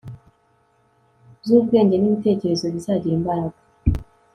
zubwenge nibitekerezo bizagira imbaraga